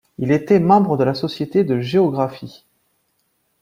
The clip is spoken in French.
Il était membre de la Société de géographie.